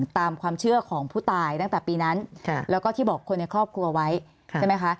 ตามความเชื่อของผู้ตายตั้งแต่ปีนั้นแล้วก็ที่บอกคนในครอบครัวไว้ใช่ไหมคะ